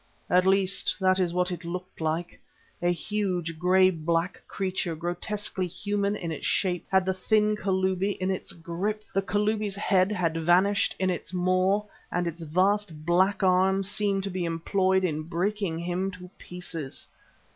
At least, that is what it looked like. A huge, grey black creature, grotesquely human in its shape, had the thin Kalubi in its grip. The Kalubi's head had vanished in its maw and its vast black arms seemed to be employed in breaking him to pieces.